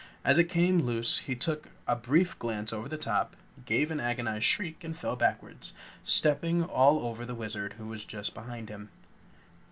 As it came loose he took a brief glance over the top, gave an agonized shriek and fell backward, stepping all over the Wizard who was just behind him.